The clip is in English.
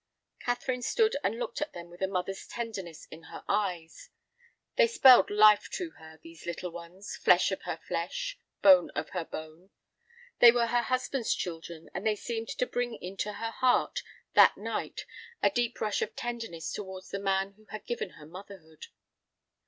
Catherine stood and looked at them with a mother's tenderness in her eyes. They spelled life to her—these little ones, flesh of her flesh, bone of her bone. They were her husband's children, and they seemed to bring into her heart that night a deep rush of tenderness towards the man who had given her motherhood.